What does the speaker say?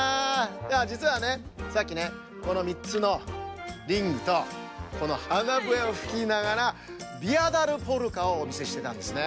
いやじつはねさっきねこの３つのリングとこのはなぶえをふきながら「ビアポルカ」をおみせしてたんですね。